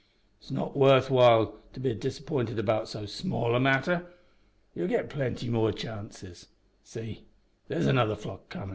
It's not worth while to be disap'inted about so small a matter. You'll git plenty more chances. See, there's another flock comin'.